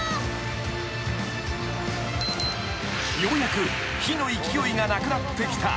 ［ようやく火の勢いがなくなってきた］